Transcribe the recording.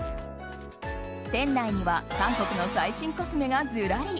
店内には韓国の最新コスメがずらり。